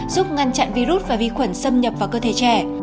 giúp ngăn chặn virus và vi khuẩn xâm nhập vào cơ thể trẻ